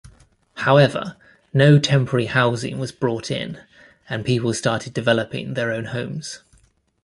However, no temporary housing was brought in, and people started developing their own homes.